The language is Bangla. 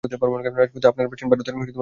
রাজপুত আপনারা প্রাচীন ভারতের গৌরবস্বরূপ।